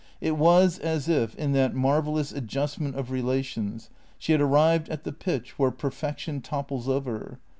It was as if, in that marvellous adjustment of re lations, she had arrived at the pitch where perfection topples over.